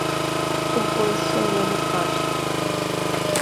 O boi sumiu no pasto